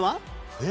えっ？